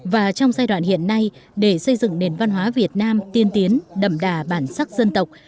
và trong giai đoạn hiện nay để xây dựng nền văn hóa việt nam tiên tiến đậm đà bản sắc dân tộc